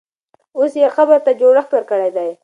اوس یې قبر ته جوړښت ورکړی دی.